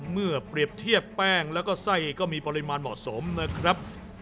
เมื่อเปรียบเทียบแป้งแล้วก็ไส้ก็มีปริมาณเหมาะสมนะครับ